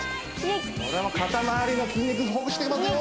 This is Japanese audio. これも肩まわりの筋肉ほぐしていますよ